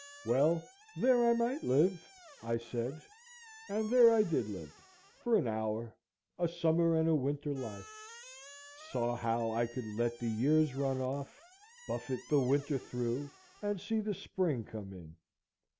Well, there I might live, I said; and there I did live, for an hour, a summer and a winter life; saw how I could let the years run off, buffet the winter through, and see the spring come in.